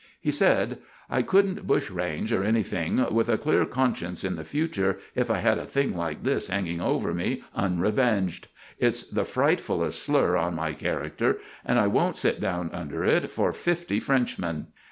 He said: "I couldn't bushrange or anything with a clear conscience in the future if I had a thing like this hanging over me unrevenged. It's the frightfulest slur on my character, and I won't sit down under it for fifty Frenchmen."